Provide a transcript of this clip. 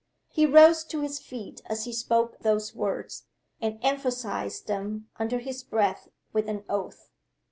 He rose to his feet as he spoke those words, and emphasized them under his breath with an oath.